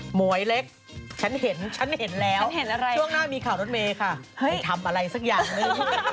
หมวยเล็กฉันเห็นแล้วช่วงหน้ามีข่าวรถเมย์ค่ะไม่ทำอะไรสักอย่างนึก